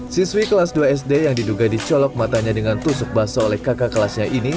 siswi kelas dua sd yang diduga dicolok matanya dengan tusuk baso oleh kakak kelasnya ini